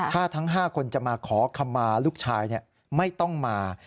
ถ้าทั้ง๕คนจะมาขอคำมาลูกชายไม่ต้องมา